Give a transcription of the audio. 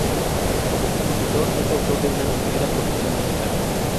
Como compositor, es autor de una nutrida producción musical.